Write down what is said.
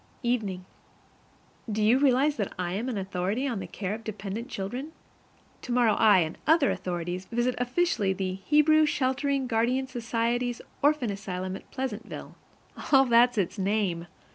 Evening. Do you realize that I am an authority on the care of dependent children? Tomorrow I and other authorities visit officially the Hebrew Sheltering Guardian Society's Orphan Asylum at Pleasantville. (All that's its name!)